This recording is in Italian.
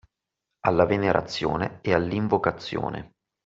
Alla venerazione e all'invocazione